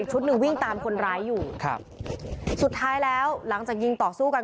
หนึ่งวิ่งตามคนร้ายอยู่ครับสุดท้ายแล้วหลังจากยิงต่อสู้กัน